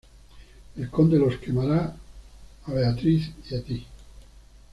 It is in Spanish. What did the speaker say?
El Conde los quemara a Beatrice y a ti.